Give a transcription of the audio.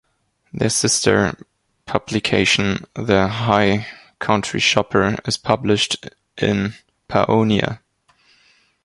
Their sister publication, "The High Country Shopper", is published in Paonia.